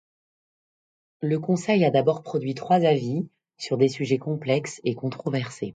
Le Conseil a d’abord produit trois avis, sur des sujets complexes et controversés.